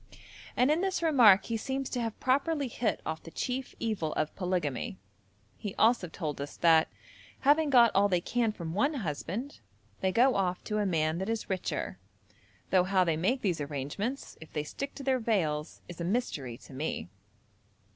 And in this remark he seems to have properly hit off the chief evil of polygamy. He also told us that, having got all they can from one husband, they go off to a man that is richer, though how they make these arrangements, if they stick to their veils, is a mystery to me.